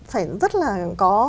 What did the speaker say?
phải rất là có